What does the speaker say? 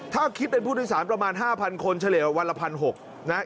ถ้าคิดเป็นผู้โดยสารประมาณห้าพันคนเฉลี่ยวันละพันหกนะ